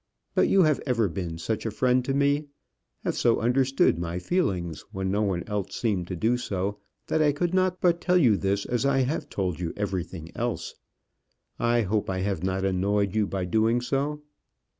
But you have ever been such a friend to me, have so understood my feelings when no one else seemed to do so, that I could not but tell you this as I have told you everything else. I hope I have not annoyed you by doing so."